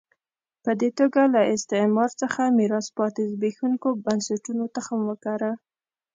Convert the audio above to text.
په دې توګه له استعمار څخه میراث پاتې زبېښونکو بنسټونو تخم وکره.